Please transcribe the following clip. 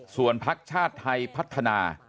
ส่วนพักชาติไทยพัฒนา